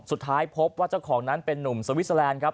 สุดท้ายพบว่าเจ้าของนั้นเป็นนุ่มสวิสเตอร์แลนด์ครับ